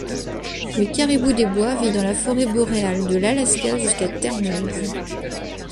Le caribou des bois vit dans la forêt boréale, de l'Alaska jusqu’à Terre-Neuve.